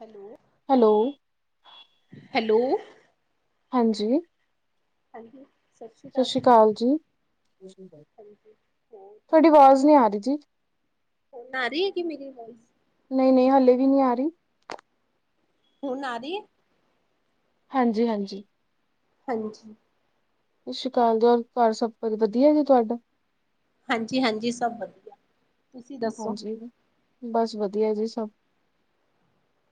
Hello, hello hello ਹਾਂਜੀ। ਹਾਂਜੀ, ਸਤਿ ਸ਼੍ਰੀ ਅਕਾਲ ਜੀ। ਹਾਂਜੀ ਹੋਰ ਥੋਡੀ ਆਵਾਜ਼ ਵਧੀਆ ਨੀ ਆ ਰਈ ਜੀ। ਹੁਣ ਆ ਰਹੀ ਹੈਗੀ ਮੇਰੀ ਵੋਇਸ? ਨਈ, ਨਈ ਹਲੇ ਵੀ ਨੀ ਆ ਰਹੀ। ਹੁਣ ਆ ਰਹੀ ਏ? ਹਾਂਜੀ-ਹਾਂਜੀ। ਹਾਂਜੀ। ਸਤਿ ਸ਼੍ਰੀ ਅਕਾਲ ਜੀ, ਹੋਰ ਘਰ ਸਭ ਵਧੀਆ ਜੀ ਤੁਹਾਡਾ? ਹਾਂਜੀ-ਹਾਂਜੀ ਸਭ ਵਧੀਆ। ਤੁਸੀਂ ਦੱਸੋ ਹਾਂਜੀ, ਬਸ ਵਧੀਆ ਜੀ ਸਭ।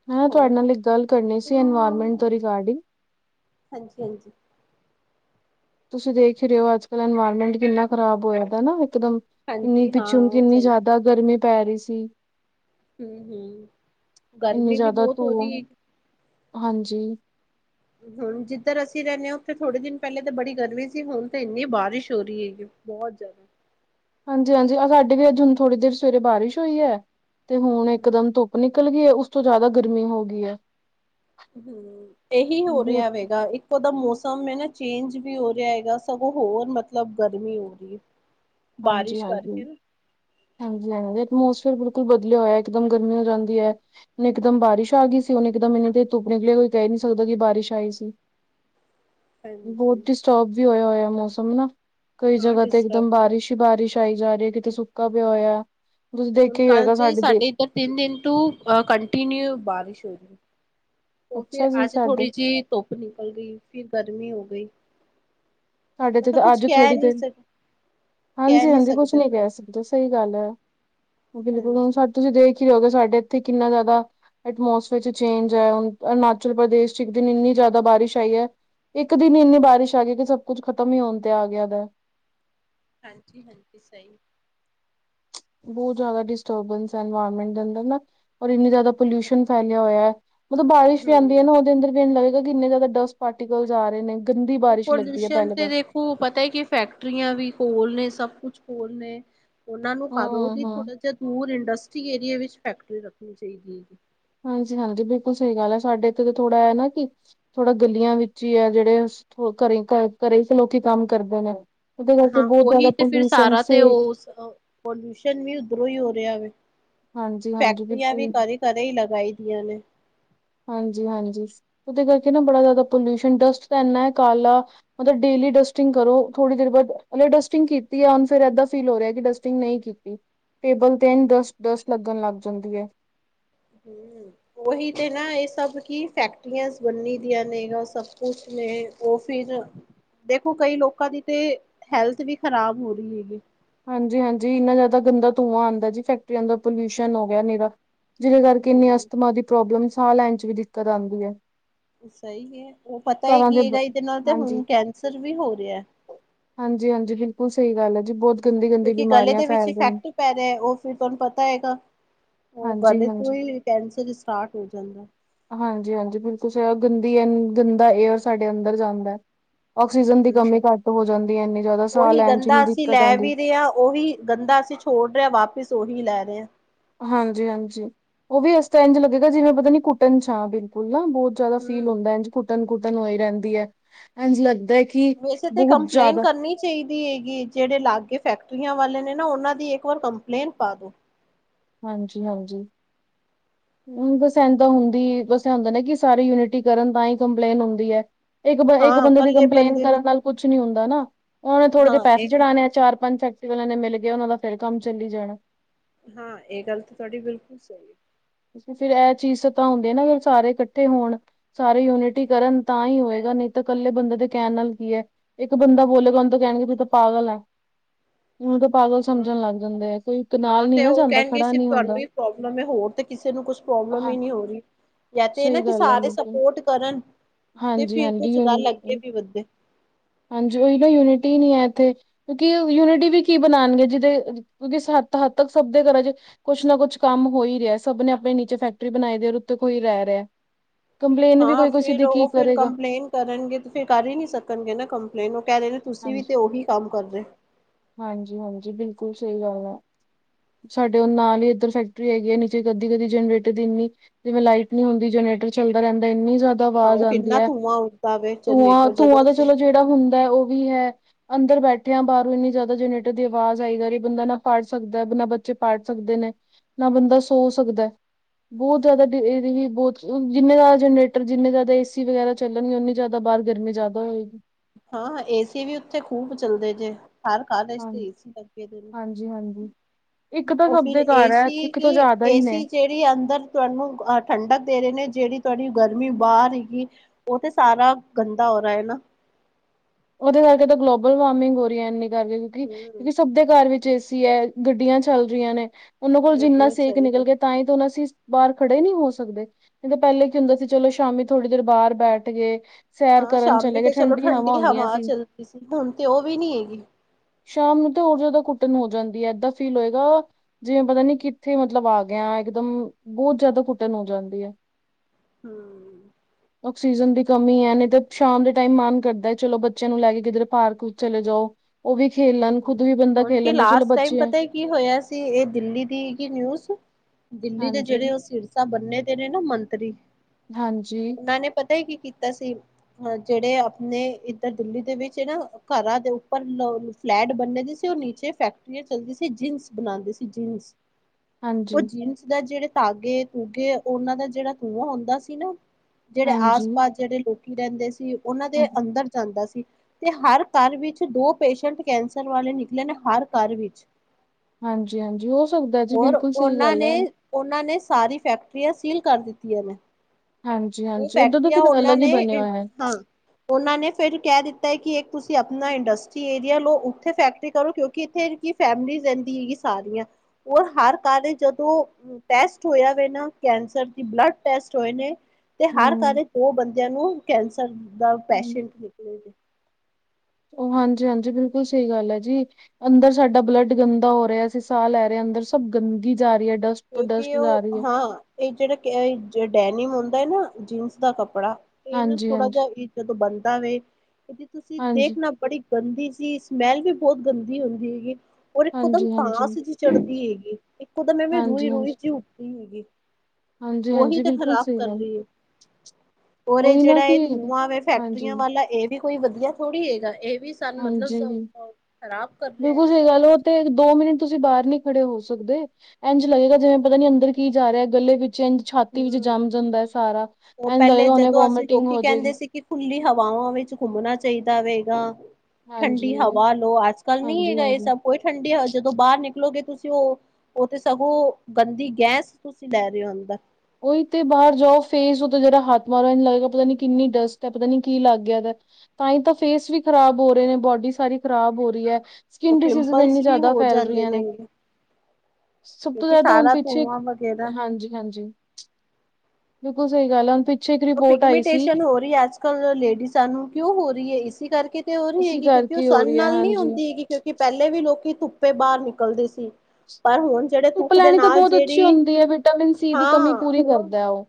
ਮੈਂ ਹੋਰ ਤੁਹਾਡੇ ਨਾਲ ਇੱਕ ਗੱਲ ਕਰਨੀ ਸੀ, ਇਨਵਾਇਰਮੈਂਟ ਤੋਂ ਰਿਗਾਰਡਿੰਗ। ਹਾਂਜੀ-ਹਾਂਜੀ। ਤੁਸੀਂ ਦੇਖ ਹੀ ਰਹੇ ਹੋ, ਅੱਜ-ਕੱਲ੍ਹ ਇਨਵਾਇਰਮੈਂਟ ਕਿੰਨਾ ਖਰਾਬ ਹੋਇਆ ਨਾ ਇਕਦਮ। ਹਾਂਜੀ ਇੰਨੀ ਹਾਂ ਪਿੱਛੋਂ ਕਿੰਨੀ ਸਹੀ ਜ਼ਿਆਦਾ ਗਰਮੀ ਪੈ ਰਈ ਸੀ। ਹੂੰ-ਹੂੰ ਇੰਨੀ ਗਰਮੀ ਵੀ ਜ਼ਿਆਦਾ ਬਹੁਤ ਹੋ ਧੂੰ ਰਹੀ। ਹਾਂਜੀ। ਹੁਣ ਜਿੱਧਰ ਅਸੀਂ ਰਹਿੰਦੇ ਆ, ਉੱਥੇ ਥੋੜੇ ਦਿਨ ਪਹਿਲੇ ਤਾਂ ਬੜੀ ਗਰਮੀ ਸੀ ਹੁਣ ਤਾਂ ਇੰਨੀ ਬਾਰਿਸ਼ ਹੋ ਰਹੀ ਹੈਗੀ। ਬਹੁਤ ਜ਼ਿਆਦਾ ਹਾਂਜੀ, ਹਾਂਜੀ ਸਾਡੇ ਵੀ ਅੱਜ ਹੁਣ ਥੋੜੀ ਦੇਰ ਸਵੇਰੇ ਬਾਰਿਸ਼ ਹੋਈ ਹੈ। ਤੇ ਹੁਣ ਹਮ ਇੱਕਦਮ ਧੁੱਪ- ਨਿਕਲ ਗਈ ਐ, ਉਸ ਤੋਂ ਜ਼ਿਆਦਾ ਗਰਮੀ ਹੋ ਗਈ ਐ। ਹੂੰ ਇਹੀ ਹੋ ਬਹੁਤ ਰਿਹਾ ਹੈੇਗਾ। ਇੱਕ ਓਦਾ ਮੌਸਮ ਏ ਨਾ ਚੇਂਜ ਵੀ ਹੋ ਰਿਹਾ ਹੈਗਾ ਸਗੋਂ ਹੋਰ ਮਤਲਬ ਗਰਮੀ ਹੋ ਰਹੀ ਹੈ। ਬਾਰਿਸ਼ ਹਾਂਜੀ-ਹਾਂਜੀ। ਕਰਕੇ ਨਾ ਹਾਂਜੀ-ਹਾਂਜੀ, ਐਟਮੋਸਫੇਅਰ ਬਿਲਕੁਲ ਬਦਲਿਆ ਹੋਇਏ ਇੱਕਦਮ ਗਰਮੀ ਹੋ ਜਾਂਦੀ ਐ। ਹੁਨ ਇੱਕਦਮ ਬਾਰਿਸ਼ ਆ ਗਈ ਸੀ, ਹੁਨ ਇੱਕਦਮ ਇੰਨੀ ਤੇਜ ਧੁੱਪ ਨਿਕਲੀ ਕੋਈ ਕਹਿ ਨੀ ਸਕਦਾ ਕਿ ਬਾਰਿਸ਼ ਆਈ ਸੀ। [inaudible] ਬੋਤ ਹਾਂਜੀ ਡਿਸਟਰਬ ਵੀ ਹੋਏਆ-ਹੋਏਆ ਮੌਸਮ ਨਾ, ਕਈ ਹਾਂ ਜਗ੍ਹਾ ਤੇ ਡਿਸਟਰਬ ਇਕਦਮ ਬਾਰਿਸ਼ ਹੋ। ਬਾਰਿਸ਼ ਆਈ ਜਾ ਰੀ, ਕਿਤੇ ਸੁੱਕਾ ਪਿਆ ਹੋਏਆ, ਤੁਸੀਂ ਹੁਣ ਦੇਖਆ ਈ ਕੱਲ ਹੋਏਗਾ ਤੇ ਸਾਡੇ ਦੇ ਤਿੰਨ ਦਿਨ ਤੋਂ ਅ ਕੰਟੀਨਿਊ ਬਾਰਿਸ਼ ਹੋ ਕਿਉਂਕਿ ਅੱਛਾ ਜੀ ਅੱਜ ਸਾਡੇ, ਥੋੜੀ ਜੀ ਧੁੱਪ ਨਿਕਲ ਗਈ ਫਿਰ ਗਰਮੀ ਹੋ ਗੀ। ਸਾਡੇ ਤੇ ਤਾਂ ਅੱਜ ਥੋੜ੍ਹੀ ਦੇਰ, ਕਹਿ ਨਹੀਂ ਹਾਂਜੀ-ਹਾਂਜੀ ਕੁਛ ਸਕਦੇ ਨੀ ਪਯਾ ਸੀ। ਏ ਤੇ ਸਈ ਗੱਲ ਐ, ਬਿਲਕੁਲ ਹੁਨ ਹਾਂਜੀ ਸਬ ਤੁਸੀਂ ਦੇਖ ਈ ਰਹੇ ਹੋਗੇ ਸਾਡੇ ਇੱਥੇ ਕਿੰਨਾ ਜਾਦਾ ਐਟਮੋਸਫੇਅਰ ਚ ਚੇਂਜ ਆਇਆ, ਅਰੁਣਾਚਲ ਪ੍ਰਦੇਸ਼ ਚ ਇੱਕ ਦਿਨ ਇੰਨੀ ਜ਼ਿਆਦਾ ਬਾਰਿਸ਼ ਆਈ ਹੈ ਇੱਕ ਦਿਨ ਇੰਨੀ ਬਾਰਿਸ਼ ਆ ਗਈ ਕਿ ਸਭ ਕੁੱਝ ਖਤਮ ਈ ਹੋਨ ਤੇ ਆ ਗਿਆ ਦਾ ਐ। ਹਾਂਜੀ-ਹਾਂਜੀ, ਸਈ ਬੋਤ ਜਾਦਾ ਡਿਸਟਰਬੈਂਸ ਐਨਵਾਇਰਮੈਂਟ ਦੇ ਅੰਦਰ ਨਾਂ ਔਰ ਇੰਨਾ ਜਾਦਾ ਪੋਲਿਊਸ਼ਨ ਫੈਲੇਆ ਹੋਏਆ। ਮਤਲਬ ਬਾਰਿਸ਼ ਤੇ ਆਂਦੀ ਹੈ ਹੂੰ ਨਾ ਓਦੇ ਅੰਦਰ ਵੀ ਇੰਜ ਲਗੇਗਾ ਕਿੰਨੇ ਜ਼ਿਆਦਾ ਡਸਟ ਪਾਰਟੀਕਲਸ ਆ ਰੇ ਨੇ। ਗੰਦੀ ਬਾਰਿਸ਼ ਲੱਗਦੀ ਏ [unintelligible] ਓ ਪਤਾ ਐ ਕਿ ਫੈਕਟਰੀਆਂ ਵੀ ਕੋਲ ਨੇ ਸਭ ਕੁਛ ਕੋਲ ਨੇ। ਓਨਾਂ ਨੂੰ ਘਰੋਂ ਹਮ ਦੀ ਹਮ ਥੋੜਾ ਜਾ ਦੂਰ ਇੰਡਸਟਰੀ ਏਰੀਏ ਵਿੱਚ ਫੈਕਟਰੀ ਰੱਖਨੀ ਚਾਈਦੀ ਹੈਗੀ। ਹਾਂਜੀ-ਹਾਂਜੀ, ਬਿਲਕੁਲ ਸਈ ਗੱਲ ਐ ਸਾਡੇ ਏਥੇ ਤੇ ਥੋੜਾ ਨਾ ਕਿ ਥੋੜਾ ਗਲੀਆਂ ਵਿੱਚ ਈ ਏ ਜੇੜੇ ਘਰੇ-ਘਰੇ ਤੇ ਲੋਕੀ ਕੰਮ ਕਰਦੇ ਨੇ। ਓਦੇ ਕਰਕੇ ਬੋਤ ਜਾਦਾ ਪੋਲਿਊਸ਼ਨ ਸੇ ਅਹ ਪੋਲਊਸ਼ਨ ਵੀ ਉਧਰੋਂ ਹੀ ਹੋ ਰਿਹਾ ਵੇ, ਹਾਂਜੀ-ਹਾਂਜੀ ਫੈਕਟਰੀਆਂ ਵੀ ਬਿਲਕੁਲ ਸਾਰੀ ਘਰੇ ਈ ਲਗਾਈ ਦੀਆਂ ਨੇ। ਹਾਂਜੀ-ਹਾਂਜੀ, ਓਦੇ ਕਰਕੇ ਨਾ ਬੜਾ ਜਾਦਾ ਪੋਲਿਊਸ਼ਨ ਡਸਟ ਤਾਂ ਏਨਾਂ ਕਾਲਾ ਮਤਲਬ ਡੇਲੀ ਡਸਟਿੰਗ ਕਰੋ ਥੋੜ੍ਹੀ ਦੇਰ ਬਾਦ ਡਸਟਿੰਗ ਕੀਤੀ ਐ ਅਨਫੇਯਰ ਏਦਾਂ ਫੀਲ ਹੋ ਰਿਹਾ ਕਿ ਡਸਟਿੰਗ ਨਈ ਕੀਤੀ। ਟੇਬਲ ਤੇ ਐਨ ਡਸਟ-ਡਸਟ ਲੱਗਣ ਲੱਗ ਜਾਂਦੀ ਐ। ਹੂੰ। ਉਹੀ ਤੇ ਨਾ ਇਹ ਸਭ ਕਿ ਫੈਕਟਰੀਆਂ ਬੰਨੀ ਦੀਆਂ ਨੇ ਸਭ ਕੁਛ ਨੇ। ਉਹ ਫਿਰ ਦੇਖੋ ਕਈ ਲੋਕਾਂ ਦੀ ਤੇ ਹੈਲਥ ਵੀ ਖ਼ਰਾਬ ਹੋ ਰਹੀ ਹੈਗੀ। ਹਾਂਜੀ ਹਾਂਜੀ ਇੰਨਾ ਜ਼ਿਆਦਾ ਗੰਦਾ ਧੂੰਆਂ ਆਉਂਦਾ ਜੀ ਫੈਕਟਰੀਆਂ ਦਾ ਪੋਲਿਊਸ਼ਨ ਹੋ ਗਿਆ ਨਿਰਾ। ਜਿਹਦੇ ਕਰਕੇ ਇੰਨੀ ਹੂੰ ਅਸਥਮਾ ਦੀ ਪ੍ਰੋਬਲਮ ਸਾਹ ਲੈਣ ਚ ਵੀ ਦਿੱਕਤ ਆਉਂਦੀ ਹੈ। ਸਹੀ ਹੈ ਉਹ ਪਤਾ ਹੈ ਕੀ ਹੈਗਾ ਇਹਦੇ ਨਾਲ ਤੇ ਹੁਣ ਕੈਂਸਰ ਵੀ ਹੋ ਰਿਹਾ। ਹਾਂਜੀ ਹਾਂਜੀ ਬਿਲਕੁਲ ਸਹੀ ਗੱਲ ਹੈ ਜੀ ਬਹੁਤ। ਗੰਦੀ-ਗੰਦੀ ਕਿਉਂਕਿ ਗਲੇ ਬਿਮਾਰੀਆਂ ਦੇ ਵਿੱਚ ਫੈਲ ਰਹੀਆਂ ਇਫੈਕਟ ਪੈ ਰਿਹਾ ਉਹ ਫਿਰ ਤੁਹਾਨੂੰ ਪਤਾ ਹੈਗਾ ਉਹ ਗਲੇ ਤੋਂ ਹਾਂਜੀ-ਹਾਂਜੀ। ਹੀ। ਕੈਂਸਲ ਸਟਾਰਟ ਹੋ ਜਾਂਦਾ। ਹਾਂਜੀ ਹਾਂਜੀ ਬਿਲਕੁਲ ਸਹੀ ਗੰਦਾ ਏਅਰ ਸਾਡੇ ਅੰਦਰ ਜਾਂਦਾ ਹੈ। ਆਕਸੀਜਨ ਦੀ ਹੂੰ। ਕਮੀ ਘੱਟ ਹੋ ਜਾਂਦੀ ਹੈ ਇੰਨੀ ਜ਼ਿਆਦਾ ਸਾਹ ਲੈਣ ਚ ਨਹੀਂ ਦਿੱਕਤ ਆਉਂਦੀ। ਤੇ ਆ ਉਹ ਵੀ। ਗੰਦਾ ਅਸੀਂ ਛੋੜ ਰਹਾਂ ਵਾਪਿਸ ਉਹੀ ਲੈ ਰਹੇ ਹਾਂ। ਹਾਂਜੀ ਹਾਂਜੀ ਉਹ ਵੀ ਇਸ ਤਰ ਇੰਝ ਲੱਗੇਗਾ ਜਿਵੇਂ ਪਤਾ ਨੀ ਕੁੱਟਣ ਛਾਂ ਬਿਲਕੁਲ ਨਾ ਬਹੁਤ। ਜ਼ਿਆਦਾ ਫੀਲ ਹੂੰ। ਹੁੰਦਾ ਐ ਕੁੁੱਟਣ ਕੁੁਟਣ ਹੋ ਹੀ ਰਹਿੰਦੀ ਹੈ ਇੰਜ ਲੱਗਦਾ। ਕਿ ਵੈਸੇ ਤੇ ਬਹੁਤ ਕੰਪਲੇਂਟ ਜ਼ਿਆਦਾ। ਕਰਨੀ ਚਾਹੀਦੀ ਹੈਗੀ ਜਿਹੜੇ ਲਾਗੇ ਫੈਕਟਰੀਆਂ ਵਾਲੇ ਨੇ ਨਾ ਉਹਨਾਂ ਦੀ ਇੱਕ ਵਾਰ ਕੰਪਲੇਂਟ ਪਾ ਦੋ। ਹਾਂਜੀ ਹਾਂਜੀ। ਬਸ ਇੰਦਾ ਹੁੰਦੀ ਬਸ ਹੁੰਦਾ ਨਾ ਕਿ ਸਾਰੀ ਯੂਨਿਟੀ ਕਰਨ ਤਾਂ ਹੀ ਕੰਪਲੇਂਨ ਹੁੰਦੀ ਹੈ। ਇੱਕ ਬ ਇੱਕ ਹਾਂ ਬੰਦੇ ਦੀ ਇਕੱਲੇ ਕੰਪਲੇਂਟ ਬੰਦੇ ਦੀ ਕਰਨ ਨਾਲ ਕੁੱਝ। ਕੁਛ ਨੀ ਹੁੰਦਾ ਨਾ ਉਹਨੇ ਥੋੜੇ ਜਿਹੇ ਹਾਂ ਪੈਸੇ ਇਹ ਚੜਾਉਣੇ ਆ ਚਾਰ ਪੰਜ। ਨੇ ਮਿਲ ਗਿਆ ਉਹਨਾਂ ਦਾ ਫਿਰ ਕੰਮ ਚੱਲੀ ਜਾਣਾ। ਹਾਂ ਇਹ ਗੱਲ ਤਾਂ ਤੁਹਾਡੀ ਬਿਲਕੁਲ ਸਹੀ ਹੈ। ਫਿਰ ਇਹ ਚੀਜ਼ ਤਾ ਹੁੰਦੀ ਆ ਨਾ ਸਾਰੇ ਇਕੱਠੇ ਹੋਣ। ਸਾਰੇ ਯੂਨਿਟੀ ਕਰਨ ਤਾਂ ਹੀ ਹੋਏਗਾ ਨਹੀਂ ਤਾਂ ਇਕੱਲੇ ਬੰਦੇ ਦੇ ਕਹਿਣ ਨਾਲ ਕੀ ਹੈ। ਇੱਕ ਬੰਦਾ ਬੋਲੇਗਾ ਉਹਨੂੰ ਤੋਂ ਕਹਿਣਗੇ ਤੂੰ ਤਾਂ ਪਾਗਲ ਹੈ। ਉਹ ਤਾਂ ਪਾਗਲ ਸਮਝਣ ਲੱਗ ਜਾਂਦੇ ਆ ਕੋਈ ਹਾਂ ਕਨਾਲ ਨੀ ਤੇ ਨਾ ਉਹ ਜਾਂਦਾ ਕਹਿਣਗੇ ਖੜਾ ਸਿਰਫ ਨਹੀਂ ਤੁਹਾਨੂੰ ਹੁੰਦਾ। ਹੀ ਪ੍ਰੋਬਲਮ ਹੈ ਹੋਰ ਤੇ ਕਿਸੇ ਨੂੰ ਕੁਛ ਪ੍ਰੋਬਲਮ ਹਾਂ ਹੀ ਨੀ ਹੋ ਰਹੀ। ਜਾਂ ਤੇ ਨਾ ਸਹੀ ਕਿ ਗੱਲ ਹੈ ਸਾਰੇ ਬਿਲਕੁਲ ਸਪੋਰਟ ਕਰਨ ਤੇ ਹਾਂਜੀ ਫਿਰ ਹਾਂਜੀ ਕੁਝ ਯੂਨ ਗੱਲ ਹੈਗੀ ਅੱਗੇ ਵੀ ਵਧਦੇ। ਹਾਂਜੀ ਉਹੀ ਨਾ ਯੂਨਿਟੀ ਨੀ ਹੈ ਇੱਥੇ। ਕਿਉਂਕਿ ਯੂਨਿਟੀ ਵੀ ਕੀ ਬਣਾਉਣਗੇ ਜਿਹਦੇ ਕਿਉਂਕਿ ਹੱਦ ਤੱਕ ਸਭ ਦੇ ਘਰਾਂ ਚ ਕੁਛ ਨਾ ਕੁਛ ਕੰਮ ਹੋ ਹੀ ਰਿਹਾ ਸਭ ਨੇ ਆਪਣੇ ਨੀਚੇ ਫੈਕਟਰੀ ਬਣਾਈ ਦੇ ਉੱਤੇ ਕੋ ਹੀ ਰਹਿ ਰਿਹਾ। ਕੰਪਲੇਨ ਵੀ ਹਾਂ ਕੋਈ ਕਿਸੇ ਫਿਰ ਦੀ ਕੀ ਉਹ ਫਿਰ ਕਰੇਗਾ। ਕੰਪਲੇਂਨ ਕਰਨਗੇ ਤੇ ਫਿਰ ਕਰ ਹੀ ਨਹੀਂ ਸਕਣਗੇ ਨਾ ਕੰਪਲੇਂਨ ਉਹ ਕਹਿ ਰਹੇ ਨੇ ਤੁਸੀਂ ਹਾਂਜੀ ਵੀ ਤੇ ਉਹੀ ਕੰਮ ਕਰ ਰਹੇ। ਹਾਂਜੀ ਹਾਂਜੀ ਬਿਲਕੁਲ ਸਹੀ ਗੱਲ ਹੈ। ਸਾਡੇ ਉਹ ਨਾਲ ਹੀ ਇੱਧਰ ਫੈਕਟਰੀ ਹੈਗੀ ਆ ਨੀਚੇ ਕਦੀ ਕਦੀ ਜਨਰੇਟਰ ਦੀ ਇੰਨੀ। ਜਿਵੇਂ ਲਾਈਟ ਨਹੀਂ ਹੁੰਦੀ ਜਨਰੇਟਰ ਚੱਲਦਾ ਰਹਿੰਦਾ ਇੰਨੀ ਜ਼ਿਆਦਾ। ਹਾਂ ਆਵਾਜ਼ ਉਹ ਆਉਂਦੀ ਕਿੰਨਾ ਹੈ ਧੂੰਆਂ ਉੱਡਦਾ ਵੇ ਧੂੰਆਂ ਜਨਰੇਟਰ ਧੂੰਆਂ ਜਦੋਂ ਦਾ ਚਲੋ ਜਿਹੜਾ ਹੁੰਦਾ ਉਹ ਵੀ ਹੈ। ਅੰਦਰ ਬੌਠੇ ਆਂ ਬਾਰੋਂ ਇੰਨੀ ਜਾਦਾ ਜਨਰੇਟਰ ਦੀ ਆਵਾਜ਼ ਆਈ ਜਾਰੀ, ਬੰਦਾ ਨਾ ਪੜ ਸਕਦਾ, ਨਾ ਬੱਚੇ ਪੜ੍ਹ ਸਕਦੇ ਨੇ। ਨਾ ਬੰਦਾ ਸੋ ਸਕਦਾ। ਬਹੁਤ ਜ਼ਿਆਦਾ ਹੀ ਬਹੁਤ ਜਿੰਨੇ ਜ਼ਿਆਦਾ ਜਨਰੇਟਰ ਜਿੰਨੇ ਜ਼ਿਆਦਾ ਏਸੀ ਵਗੈਰਾ। ਚੱਲਣਗੇ ਉਨੀ ਜ਼ਿਆਦਾ ਬਾਹਰ ਗਰਮੀ ਜ਼ਿਆਦਾ ਹੋਏਗੀ। ਹਾਂ ਏਸੀ ਵੀ ਉੱਥੇ ਖੂਬ ਚੱਲਦੇ ਜੇ ਹਰ ਕਰ ਹਾਂ ਤੇ ਏਸੀ। ਹਾਂਜੀ ਹਾਂਜੀ ਇੱਕ ਤਾਂ ਉਹ ਸਭ ਦੇ ਫਿਰ ਘਰ ਹੈ ਏਸੀ ਇੱਕ ਤੋਂ ਕੀ ਜ਼ਿਆਦਾ ਹੀ ਨੇ ਏਸੀ ਚੇ। ਜਿਹੜ ਅੰਦਰ ਤੁਹਾਨੂੰ ਅਹ ਠੰਡਕ ਦੇ ਰਹੇ ਨੇ ਜਿਹੜੀ ਤੁਹਾਡੀ ਗਰਮੀ ਬਾਹਰ ਹੀਗੀ। ਉਹ ਤੇ ਸਾਰਾ ਗੰਦਾ ਹੋ ਰਿਹਾ ਹੈ ਨਾ। ਉਹਦੇ ਕਰਕੇ ਤਾਂ ਗਲੋਬਲ ਵਾਰਮਿੰਗ ਹੋ ਰਹੀ ਹੈ ਇੰਨੀ ਕਰਕੇ ਕਿਉਂਕਿ ਹਮ ਕਿਉਂਕਿ ਸਭ ਦੇ ਘਰ ਵਿੱਚ। ਜੇ ਏਸੀ ਹੈ ਗੱਡੀਆਂ ਚੱਲ ਰਹੀਆਂ ਨੇ ਉਹਨਾਂ ਕੋਲ ਜਿੰਨਾ ਵਧੀਆ ਸੇਕ ਸਹੀ ਗੱਲ। ਨਿਕਲ ਕੇ। ਤਾਂ ਹੀ ਤਾਂ ਹੁਣ ਅਸੀਂ ਬਾਹਰ ਖੜੇ ਨਹੀਂ ਹੋ ਸਕਦੇ। ਕਿੰਦੇ ਪਹਿਲੇ ਕੀ ਹੁੰਦਾ ਸੀ ਚਲੋ ਸ਼ਾਮੀ ਥੋੜ੍ਹੀ ਦੇਰ ਬਾਹਰ ਬੈਠ ਗਏ। ਸੈਰ ਹਾਂ ਕਰਨ ਸ਼ਾਮੀ ਚਲੇ ਗਏ ਤੇ ਚਲੋ ਠੰਢੀਆਂ ਹਵਾ ਠੰਡੀ ਹੁੰਦੀਆਂ। ਸੀ ਚੱਲਦੀ ਸੀ ਹੁਣ ਤੇ ਉਹ ਵੀ ਨੀ ਹੈਗੀ ਸ਼ਾਮ ਨੂੰ ਤੇ ਹੋਰ ਜ਼ਿਆਦਾ ਕੁੱਟਣ ਹੋ ਜਾਂਦੀ ਹੈ ਏਦਾਂ ਫੀਲ ਹੋਏਗਾ ਜਿਵੇਂ ਪਤਾ ਨੀ ਕਿੱਥੇ ਮਤਲਬ ਆ ਗਿਆ ਇੱਕਦਮ ਬਹੁਤ ਜਿਆਦਾ ਕੁੁੱਟਣ ਹੋ ਜਾਂਦੀ ਹੈ ਹਮ ਆਕਸੀਜਨ ਦੀ ਕਮੀ ਹੈ ਨਹੀਂ ਤੇ ਸ਼ਾਮ ਦੇ ਟਾਈਮ ਮਨ ਕਰਦਾ ਚਲੋ ਬੱਚਿਆਂ ਨੂੰ ਲੈ ਕੇ ਕਿਧਰ ਪਾਰਕ ਚਲੇ ਜਾਓ ਉਹ ਵੀ ਖੇਲ ਲੈਣ ਖੁੱਦ ਹਮ ਵੀ ਬੰਦਾ ਹੁਣ ਖੇਲ ਕਿ ਲੈਂਦਾ ਚਲੋ ਲਾਸਟ ਟਾਈਮ ਬੱਚੇ ਹੈ ਪਤਾ ਕੀ ਹੋਇਆ ਸੀ ਇਹ ਦਿੱਲੀ ਦੀ ਨਿਊਜ ਦਿੱਲੀ ਦੇ ਹਾਂਜੀ, ਜਿਹੜੇ ਉਹ ਬੰਨੇ ਤੇ ਨੇ ਨਾ ਮੰਤਰੀ ਹਾਂਜੀ, ਉਹਨਾਂ ਨੇ ਪਤਾ ਹੀ ਕਿ ਕੀਤਾ ਸੀ ਜਿਹੜੇ ਆਪਣੇ ਇੱਧਰ ਦਿੱਲੀ ਦੇ ਵਿੱਚ ਨਾ ਘਰਾਂ ਦੇ ਉੱਪਰ ਫਲੈਟ ਬਨੇ ਦੀ ਸੀ ਉਹ ਨੀਚੇ ਫੈਕਟਰੀਆਂ ਚਲਦੀ ਸੀ ਜੀਨਸ ਬਣਾਉਂਦੇ ਸੀ ਜੀਨਸ ਹਾਂਜੀ, ਉਹ ਜੀਨਸ ਦਾ ਜਿਹੜੇ ਧਾਗੇ ਤੂਗੇ ਉਹਨਾਂ ਦਾ ਜਿਹੜਾ ਤੂੰਆਂ ਹੁੰਦਾ ਸੀ ਨਾ ਜਿਹੜੇ ਹਾਂਜੀ, ਆਸ ਪਾਸ ਜਿਹੜੇ ਲੋਕੀ ਰਹਿੰਦੇ ਸੀ ਉਹਨਾਂ ਦੇ ਹਮ, ਅੰਦਰ ਜਾਂਦਾ ਸੀ ਤੇ ਹਰ ਘਰ ਵਿੱਚ ਦੋ ਪੇਸ਼ੈਂਟ ਕੈਂਸਰ ਵਾਲੇ ਨਿਕਲੇ ਨੇ ਹਰ ਘਰ ਵਿੱਚ ਹਾਂਜੀ ਹਾਂਜੀ ਹੋ ਸਕਦਾ ਜੀ ਔਰ ਬਿਲਕੁਲ ਸਹੀ ਉਹਨਾਂ ਗੱਲ ਨੇ ਹੈ ਉਹਨਾਂ ਨੇ ਸਾਰੀ ਫੈਕਟਰੀਆਂ ਸੀਲ ਕਰ ਦਿੱਤੀਆਂ ਮੈਂ ਹਾਂਜੀ, ਉਹ ਹਾਂਜੀ ਉਦਾਂ ਦਾ ਫੈਕਟਰੀਆਂ ਫਿਰ ਉਹਨਾਂ ਅਲੱਗ ਹੀ ਨੇ ਬਣਿਆ ਹੋਇਆ ਹੈ ਹਾਂ ਉਹਨਾਂ ਨੇ ਫੇਿਰ ਕਹਿ ਦਿੱਤਾ ਹੈ ਕਿ ਇੱਕ ਤੁਸੀਂ ਆਪਣਾ ਇੰਡਸਟਰੀ ਏਰੀਆ ਲਓ ਉੱਥੇ ਫੈਕਟਰੀ ਕਰੋ ਕਿਉਂਕਿ ਇੱਥੇ ਕਿ ਫੈਮਲੀ ਰਹਿੰਦੀ ਹੈਗੀ ਸਾਰੀਆਂ ਹੋਰ ਹਰ ਘ ਜਦੋਂ ਟੈਸਟ ਹੋਇਆ ਵ ਨਾ ਕੈਂਸਰ ਦੀ ਬਲਡ ਟੈਸਟ ਹੋਏ ਨੇ ਤੇ ਹਰ ਹੂੰ। ਘਰ ਦੋ ਬੰਦਿਆਂ ਨੂੰ ਕੈਂਸਰ ਦਾ ਪੈਸ਼ੈਂਟ ਨਿਕਲੇ ਉਹ ਹਾਂਜੀ ਹਾਂਜੀ ਬਿਲਕੁਲ ਸਹੀ ਗੱਲ ਹੈ ਜੀ ਅੰਦਰ ਸਾਡਾ ਬਲੱਡ ਗੰਦਾ ਹੋ ਰਿਹਾ ਅਸੀਂ ਸਾਹ ਲੈ ਰਹੇਾਂ ਅੰਦਰ ਸਭ ਗੰਗੀ ਜਾ ਰਹੀ ਹੈ ਡਸਟ ਤੋਂ ਡਸਟ ਕਿਉਂਕਿ ਜਾ ਉਹ ਰਹੀ ਹੈ ਹਾਂ ਇਹ ਜਿਹੜਾ ਡੈਨੀਮ ਹੁੰਦਾ ਨਾ ਜੀਨਸ ਦਾ ਕੱਪੜਾ ਇਹ ਨਾ ਹਾਂਜੀ, ਥੋੜਾ ਹਾਂਜੀ, ਜਿ ਜਦੋਂ ਬਣਦਾ ਵਵੇ ਇਹਦੀ ਤੁਸੀਂ ਹਾਂਜੀ, ਦੇਖਣਾ ਬੜੀ ਗੰਦੀ ਸੀ ਸਮੈਲ ਵੀ ਬਹੁਤ ਗੰਦੀ ਹੁੰਦੀ ਸੀਗੀ ਔਰ ਇੱਕ ਉਦਮ ਹਾਂਜੀ, ਹਾਂਜੀ, ਹਾਂਜੀ, ਤਾਸ ਜਿਹੀ ਚੜਦੀ ਹੈਗੀ ਇੱਕ ਕਦਮ ਐਵੇਂ ਹਾਂਜੀ। ਉਪਗੀ ਉਹੀ ਹਾਂਜੀ-ਹਾਂਜੀ, ਤੇ ਬਿਲਕੁਲ ਖਰਾਬ ਸਹੀ ਕਰ ਗੱਲ ਰਹੀ ਹੈ ਰ ਇਹ ਉਹੀ ਨਾ ਜਿਹੜਾ ਕਿ ਇਹ ਧੂੰਆਂ ਵ ਹਾਂਜੀ, ਫੈਕਟਰੀਆਂ ਵਾਲਾ ਇਹ ਵੀ ਕੋਈ ਵਧੀਆ ਥੋੜ੍ਹੀ ਹੈਗਾ ਇਹ ਵੀ ਸਾਨੂੰ ਹਾਂਜੀ ਮਤਲਬ ਖ਼ਰਾਬ ਕਰ ਰਿਹਾ ਬਿਲਕੁਲ ਹੈਗਾ ਸਹੀ ਸਭ ਗੱਲ ਹੋ ਕੁਛ ਤੇ ਦੋ ਮਿੰਟ ਤੁਸੀਂ ਬਾਹਰ ਨੀ ਖੜੇ ਹੋ ਸਕਦੇ ਇੰਝ ਲੱਗੇਗਾ ਜਿਵੇਂ ਪਤਾ ਨੀ ਅੰਦਰ ਕੀ ਜਾ ਰਿਹਾ ਗੱਲਲੇ ਵਿੱਚ ਛਾਤੀ ਵਿੱਚ ਹਮ ਜੰਮ ਜਾਂਦਾ ਹੈ ਸਾਰਾ ਉਹ ਐਝ ਪਹਿਲੇ ਲੱਗਦਾ ਹਨੇ ਜਦੋਂ ਅਸੀਂ ਵੋਮਟਿੰਗ ਲੋਕੀ ਹੋ ਕਹਿੰਦੇ ਜਾਏਗੀ ਸੀ ਕਿ ਖੁੱਲੀ ਹਵਾਵਾਂ ਵਿੱਚ ਘੁੰਮਣਾ ਚਾਹੀਦਾ ਵਵੇਗਾ ਠੰਡੀ ਹਾਂਜੀ, ਹਵਾ ਲੋਓ ਅੱਜ ਕੱਲ ਨਹੀਂੀ ਹੈਗਾ ਇਹ ਹਾਂਜੀ-ਹਾਂਜੀ। ਸਭ ਉਓਹੀ ਠੰਡੀ ਜਦੋਂ ਬਾਹਰ ਨਿਕਲੋਗੇ ਤੁਸੀਂ ਉਹ ਉਥੇ ਸਗੋਂ ਗੰਦੀ ਗੈਸ ਤੁਸੀਂ ਲੈ ਰਹੇ ਹੋ ਅਦਾ ਉਓਹੀ ਤੇ ਬਾਹਰ ਜਾਓ ਫੇਸ ਉ ਜਿਹੜਾ ਹੱਥ ਮਾਰੋਨੂੰ ਲੱਗ ਪਤਾ ਨੀ ਕਿੰਨੀ ਡਸਟ ਹੈ ਪਤਾ ਨੀ ਕੀ ਲਗ ਗਿਆ ਤਾਂ ਹੀ ਤਾਂ ਫੇਸ ਵੀ ਖ਼ਰਾਬ ਹੋ ਰਹੇ ਨੇ ਬੋਡੀ ਸਾਰੀ ਖ਼ਰਾਬ ਹੋ ਰਹੀ ਹੈ ਉਹ ਸਕਿਨ ਡਿਸੀਜ਼ਜ਼ ਪਿੰਪਲਸ ਇੰਨੀ ਵੀ ਜ਼ਿਆਦਾ ਹੋ ਫੈਲ ਜਾਂਦੇ ਰਹੀਆਂ ਨੇ ਸਭ ਤੋਂ ਕਿਉਂਕਿ ਜ਼ਿਆਦਾ ਹੁਣ ਸਾਰਾ ਪਿੱਛੇ ਧੂੰਆਂ ਵਗੈਰਾ ਹਾਂਜੀ ਹਾਂਜੀ ਬਿਲਕੁ ਸਹੀ ਗੱਲ ਹੁਣ ਇੱਕ ਉਹ ਰਿਪੋਰਟ ਆਈ ਸੀ ਫਿਿਕਮਟੇਸ਼ਨ ਹੋ ਰਹੀ ਹੈ ਅੱਜ ਕੱਲ ਲੇਡੀਜ਼ਾਂ ਨੂੰ ਕਿਉਂ ਹੋ ਰਹੀ ਹੈ ਇਸ ਕਰਕੇ ਹੋ ਰਹੀ ਇਸੀ ਹੈਗੀ ਕਿਉਂਕਿ ਉਹ ਕਰਕੇ ਹੋ ਸਨ ਰਹੀ ਹੈ ਨਾਲ ਨਹੀਂੀ ਹਾਂਜੀ। ਹੁੰਦੀ ਹੈਗੀ ਕਿਉਂਕਿ ਕਿ ਪਹਿਲੇ ਵੀ ਲੋਕੀ ਧੁੱਪੇ ਬਾਹਰ ਨਿਕਲਦੇ ਸੀ ਪਰ ਹੁਣ ਜਿਹੜੇ ਧੁੱਪ ਤੁੁੱਕ ਦੇ ਲੈਣੀ ਤਾਂ ਨਾਲ ਬਹੁਤ ਅੱਛੀ ਜਿਹੜੀ ਹੁੰਦੀ ਹੈ ਵਿਟਾਮਿਨ ਸੀ ਦੀ ਕਮੀ ਹਾਂ ਪੂਰੀ ਕਰਦਾ ਉਹ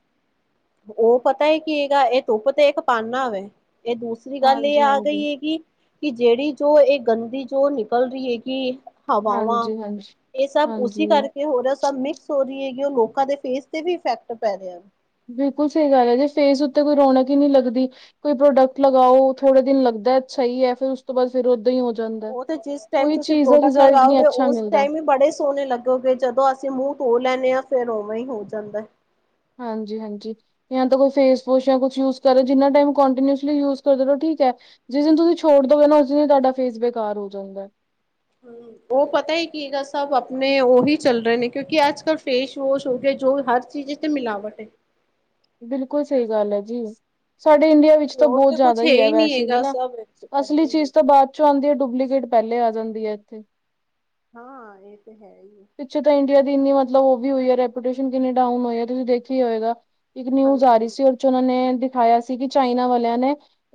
ਉਹ ਪਤਾ ਕੀਗਾ ਇਹ ਧੁੱਪ ਤੇ ਇੱਕ ਪਾਾਨਨਾ ਵ ਇਹ ਦੂਸਰਾ ਦੂਸਰੀ ਗਾੱਲ ਏ ਹਾਂਜੀ ਆ ਗਈ ਹਾਂਜੀ। ਏਗੀ, ਕਿ ਜੇੜੀ ਜੋ ਏ ਗੰਦੀ ਜੋ ਨਿਕਲ ਰੀ ਏਗੀ ਏ। ਹਵਾਵਾਂ, ਹਾਂਜੀ ਹਾਂਜੀ ਏ ਸਬ ਉਸੀ ਹਾਂਜੀ ਕਰਕੇ ਹੋਰੇਆ ਸਬ ਮਿਕਸ ਹੋ ਰੀ ਏਗੀ ਏ, ਲੋਕਾਂ ਦੇ ਫੇਸ ਤੇ ਵੀ ਇਫੈਕਟ ਪੈ ਰੇਆ ਵੇ। ਬਿਲਕੁਲ ਸਈ ਗੱਲ ਐ ਜੀ, ਫੇਸ ਉੱਤੇ ਕੋਈ ਰੌਣਕ ਈ ਨੀ ਲੱਗਦੀ। ਕੋਈ ਪ੍ਰੋਡਕਟ ਲਗਾਓ ਥੋੜੇ ਦਿਨ ਲੱਗਦਾ ਅੱਛਾ ਈ ਐ, ਫੇਰ ਉਸ ਤੋਂ ਬਾਦ ਫੇਰ ਓਦਾਂ ਈ ਓ ਤੇ ਜਿਸ ਟਾਈਮ ਤੁਸੀ ਪ੍ਰੋਡਕਟ ਨਹੀਂ ਲਗਾਓਗੇ, ਅੱਛਾ ਓਸ ਮਿਲਦਾ ਟਾਈਮ ਈ ਬੜੇ ਸੋਨੇ ਲੱਗੋ ਗੇ, ਕੇਓਕੇ ਜਦੋਂ ਅਸੀਂ ਮੂੰਹ ਧੋ ਲੈਨੇ ਆਂ, ਫੇਰ ਓਵੇ ਈ ਹੋ ਜਾਂਦੈ। ਹਾਂਜੀ, ਹਾਂਜੀ। ਯਾ ਤਾਂ ਕੋਈ ਫੇਸ ਵੋਸ਼ ਯਾ ਕੁਛ ਯੂਜ਼ ਕਰੋ ਜਿੰਨਾ ਟਾਈਮ, ਕੋਨਟੀਨੀਯੂਸਲੀ ਯੂਜ਼ ਕਰਦੇ ਰਹੋ ਠੀਕ ਐ। ਜਿਸ ਦਿਨ ਤੁਸੀਂ ਛੋੜ ਦੋਗੇ ਨਾ, ਉਸੀ ਦਿਨ ਤੁਆਡਾ ਫੇਸ ਬੇਕਾਰ ਹੋ ਜਾਂਏਗਾ। [inaudible] ਓ ਪਤਾ ਏ ਕੀ ਦੱਸਾ ਸਬ ਅਪਨੇ, ਓਹੀ ਚੱਲ ਰੇ ਨੇ ਕੇਓਕਿ ਅੱਜ-ਕੱਲ ਫੇਸ ਵੋਸ਼ ਹੋ ਗੇਆ ਜੋ ਹਰ ਚੀਜ਼ ਚ, ਮਿਲਾਵਟ ਏ। ਬਿਲਕੁਲ ਸਈ ਗਾਲ ਐ ਜੀ, ਸਾਡੇ ਇੰਡੀਆ ਵਿੱਚ ਤਾਂ ਪਿਓਰ ਬੋਤ ਤੇ ਜਾਦਾ ਕੁਛ ਹੈ ਈ ਐ ਹੀ ਨਹੀਂ ਵੈਸੇ ਵੀ ਹੈਗਾ ਨਾ, ਸਭ ਅਸਲੀ ਏਦਾਂ ਹੀ ਚੀਜ਼ ਹੈਗਾ। ਤਾਂ ਬਾ ਚੋ, ਆਂਦੀ ਐ, ਡੁਪਲੀਕੇਟ ਪੈਲੇ ਆ ਜਾਂਦੀ ਐ ਏਥੇ। ਹਾਂ, ਏ ਤੇ ਹੈਈ ਏ। ਪਿੱਛੇ ਤਾਂ ਇੰਡੀਆ ਦੀ ਏਨੀ ਮਤਲਬ ਓ ਵੀ ਹੋਈ ਏ ਰੈਪੂਟੇਸ਼ਨ ਕਿੰਨੀ ਡਾਊਨ ਹੋਈ ਐ ਤੁਸੀਂ ਦੇਖੇਆ ਹੀ ਹੋਏਗਾ। ਇੱਕ ਨਿਊਜ਼ ਆ ਹਾਂਜੀ ਰੀ ਹਾਂਜੀ ਸੀ ਓਚ ਓਨਾ ਨੇ, ਦਿਖਾਏਆ ਸੀ ਕਿ ਚਾਈਨਾ ਵਾਲੇਆਂ ਨੇ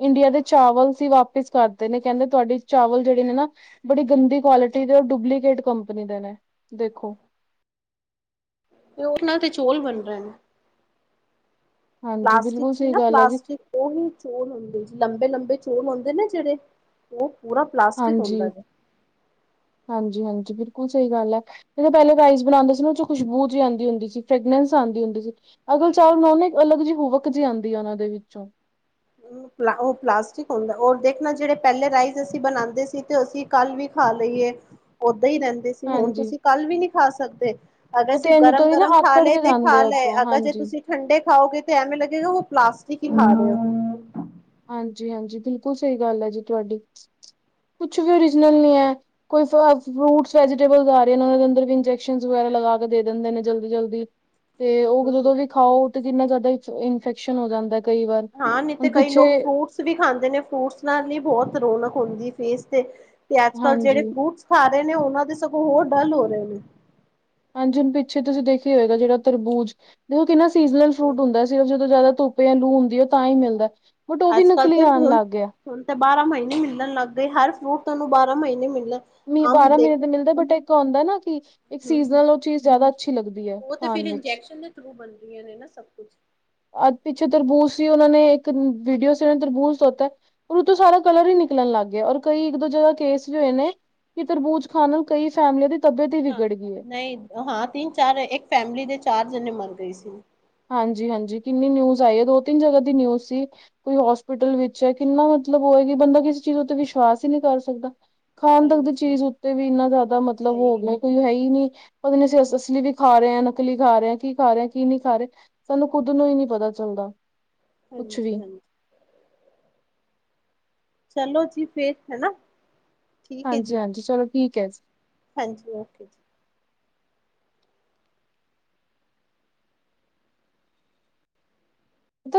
ਇੰਡੀਆ ਦੇ ਚਾਵਲ ਸੀ ਵਾਪਿਸ ਕਾਰਤੇ ਨੇ, ਕੈਂਦੇ ਤੁਆਡੇ ਚਾਵਲ ਜੇੜੇ ਨੇ ਨਾ, ਬੜੀ ਗੰਦੀ ਕੋਲਟੀ ਦੇ ਡੁਪਲੀਕੇਟ ਕੰਪਨੀ ਦੇ ਨੇ। ਦੇਖੋ। ਤੇ ਓਨਾਂ ਤੇ ਚੋਲ ਬਨ ਰੇ ਨੇ। ਹਾਂਜੀ ਪਲਾਸਟਿਕ ਬਿਲਕੁਲ ਸੀ ਸਹੀ ਨਾ ਗੱਲ ਹੈ ਜੀ ਪਲਾਸਟਿਕ, ਓਹੀ ਚੋਲ ਹੋਂਦੇ ਲੰਬੇ, ਲੰਬੇ ਚੋਲ ਹੋਂਦੇ ਨੇ ਜੇੜੇ ਓ ਪੂਰਾ ਪਲਾਸਟਿਕ ਹੋਂਦਾ ਜੇਬ। ਹਾਂਜੀ, ਹਾਂਜੀ ਬਿਲਕੁਲ ਸਈ ਗਾੱਲ ਐ। ਜੇੜ ਪੈਲੇ ਗਾਈਜ਼ ਬਣਾਂਦੇ ਸੀ ਨਾ ਓਚੋ ਖੁਸ਼ਬੂ ਜੀ ਆਂਦੀ ਹੁੰਦੀ ਸੀ, ਫ੍ਰੇਗਨੇਂਸ ਆਂਦੀ ਹੁੰਦੀ ਸੀ ਐ ਵਾਲੇ ਚਾਵਲ ਬਨਾਓ ਨਾ, ਇੱਕ ਅਲੱਗ ਜੀ ਹੂਵਕ ਜੀ ਆਂਦੀ ਐ ਐਨਾਂ ਦੇ ਵਿੱਚੋਂ। ਉ ਪਲਾ, ਓ ਪਲਾਸਟਿਕ ਹੋਂਦਾ ਓਰ ਦੇਖਨਾ ਜੇੜੇ ਪੈਲੇ ਰਾਈਸ ਅਸੀਂ ਬਣਾਂਦੇ ਸੀ, ਤੇ ਅਸੀਂ ਕਾੱਲ ਵੀ ਖਾ ਲਈਏ ਓਦਾਂ ਈ ਰੈਂਦੇ ਸੀ, ਹੋਨ ਹਾਂਜੀ। ਤੁਸੀਂ ਕਾੱਲ ਵੀ ਨੀ ਖਾ ਸਕਦੇ। ਅਗਰ ਉਹ ਅ ਤੇ ਇੰਝ ਗਰਮ, ਉਤੋਂ ਦੀ ਨਾ ਗਰਮ ਖਾ ਆਕੜ ਲੇ ਕੇ ਤੇ ਜਾਂਦੇ ਖਾ ਆ ਲਏ, ਉਤੋਂ ਅਗਰ ਜੇ ਹਾਂਜੀ। ਤੁਸੀ ਠੰਡੇ ਖਾਓਗੇ ਤੇ ਐਵੇਂ ਲੱਗੇਗਾ, ਓਹ ਪਲਾਸਟਿਕ ਈ ਖਾ ਰਏ ਓ। ਹਾਂਜੀ, ਹਾਂਜੀ ਬਿਲਕੁਲ ਸਈ ਗਾੱਲ ਐ ਜੀ ਤੁਆਡੀ, ਕੁਛ ਵੀ ਓਰੀਜਨਲ ਨੀ ਐ। ਕੋਈ ਫ, ਫ੍ਰੂਟਸ ਵੈਜੀਟੇਬਲਸ ਆਰੇ ਓਦੇ ਅੰਦਰ ਵੀ ਇੰਜੈਕਸ਼ਨ ਵਗੈਰਾ ਲਗਾ ਕੇ ਦੇ ਦੇਂਦੇ ਨੇ ਜਲਦੀ ਜਲਦੀ। [inaudible] ਤੇ ਓ ਹਮ ਜਦੋਂ ਵੀ ਖਾਓ ਤੇ ਜਿਨਾ ਤੂਆਡੇ ਚ ਇਨਫੈਕਸ਼ਨ ਹੋ ਜਾਂਦੈ ਕਈ ਵਾਰ, ਹਾਂ ਨਹੀਂ ਤੇ ਹੁਨ ਕਈ ਲੋਕ ਫ੍ਰੂਟਸ ਵੀ ਖਾਂਦੇ ਨੇ, ਫ੍ਰੂਟਸ ਨਾਲ ਹੀ ਬੋਹਤ ਰੋਣਕ ਹੋਂਦੀ ਫੇਸ ਤੇ। ਤੇ ਅੱਜ-ਕੱਲ ਜੇੜੇ ਹਾਂਜੀ। ਫ੍ਰੂਟਸ ਖਾ ਰਏ ਨੇ, ਓਨਾਂ ਦੇ ਸਗੋਂ ਹੋਰ ਡੱਲ ਹੋ ਰਏ ਨੇ। ਹਾਂਜੀ ਹੁਨ ਪਿੱਛੇ ਤੁਸੀ ਦੇਖੇਆ ਈ ਹੋਏਗਾ ਜੇੜਾ ਤਰਬੂਜ, ਓਤੇ ਨਾ ਸੀਜ਼ਨਲ ਫ੍ਰੂਟ ਹਮ ਹੁੰਦਾ ਸੀ ਓ ਜਦੋਂ ਜਾ਼ਦਾ ਧੁੱਪ ਲੂ ਹੁੰਦੀ ਏ ਓ ਤਾਈ ਮਿਲਦਾ, ਬਟ ਓ ਵੀ ਨਕਲੀ ਆਨ ਲਾੱਗ ਗੇਆ। ਹੁਨ ਤਾਂ ਬਾਰਾਂ ਮਹੀਨੇ ਮਿਲਨ ਲੱਗ ਗਏ, ਹਰ ਫ੍ਰੂਟ ਥੋਨੂੰ ਬਾਰਾਂ ਮਹੀਨੇ ਮਿਲੇ ਨੀ ਬਾਰਾਂ ਮ੍ਹੀਨੇ ਤੇ ਮਿਲਦੇ, ਬਟ ਇੱਕ ਹੋਂਦਾ ਨਾ ਕਿ ਇੱਸ ਹਮ ਹਮ ਸੀਜਲ ਚ ਵੀ ਜਾਦਾ ਅੱਛੀ ਲੱਗਦੀ ਐ, ਖਾਨ ਵਿੱਚ। ਥ੍ਰੂ ਬਨਦੀਏ ਨੇ ਨਾ ਸਬ ਕੁਛ। ਅੱ ਪਿੱਛੇ ਤਰਬੂਜ਼ ਸੀ ਓਨਾਂ ਨੇ ਏੱਕ, ਵੀਡੀਓ ਸੀ ਏਨਾਂ ਨੇ ਤਰਬੂਜ਼ ਦੇਤਾ ਰ ਉਤੋ ਸਾਰਾ ਕਲਰ ਈ ਨਿਕਲਨ ਲਾੱਗ ਗੇਆ, ਔਰ ਕਈ ਇੱਕ ਦੋ ਜਗ੍ਹਾ ਕੇਸ ਵੀ ਹੋਏ ਨੇ ਕਿ ਤਰਬੂਜ ਖਾਨ ਨਾਲ ਕਈ ਫੈਮਲੀ ਦੇ ਹਾਂ, ਨਈ, ਹਾਂ ਤਿੰਨ, ਚਾਰ ਇੱਕ ਫੈਮਲੀ ਦੇ ਚਾਰ ਜਨੇ ਮਾਰ ਗਏ ਸੀ। ਹਾਂਜੀ, ਹਾਂਜੀ ਕਿੰਨੀ ਨਿਊਜ਼ ਆਈ ਐ, ਦੋ ਤਿੰਨ ਜਗ੍ਹਾ ਦੀ ਨਿਊਜ਼ ਸੀ। ਕੋਈ ਹੋਸਪੀਟਲ ਵਿੱਚ ਐ ਕਿੰਨਾ ਮਤਲਬ ਓ ਐ ਕਿ, ਬੰਦਾ ਕਿਸੇ ਚੀਜ਼ ਉਤੇ ਵਿਸ਼ਵਾਸ ਈ ਨੀ ਕਾਰ ਸਕਦਾ। ਖਾਣ ਤੱਕ ਦੀ ਹਾਂਜੀ ਚੀਜ਼ ਉੱਤੇ ਵੀ ਇੰਨਾ ਜ਼ਿਆਦਾ ਮਤਲਬ ਹੋ ਗਿਆ ਕੋਈ ਹੈ ਹੀ ਨਹੀਂ। ਪਤਾ ਨੀ ਅਸੀਂ ਅਸਲੀ ਵੀ ਖਾ ਰਹੇ ਹਾਂ ਨਕਲੀ ਖਾ ਰਹੇ ਹਾਂ ਕੀ ਖਾ ਰਹੇ ਕੀ ਨਹੀਂ ਖਾ ਰਹੇ। ਸਾਨੂੰ ਖੁਦ ਨੂੰ ਹੀ ਨੀ ਪਤਾ ਚੱਲਦਾ। ਕੁਛ ਵੀ ਹਾਂਜੀ, ਹਾਂਜੀ ਚਲੋ ਜੀ ਫਿਰ ਹਨਾ ਠੀਕ ਹੈ ਹਾਂਜੀ ਜੀ ਹਾਂਜੀ, ਚਲੋ ਠੀਕ ਹੈ। ਹਾਂਜੀ ਓਕੇ ਜੀ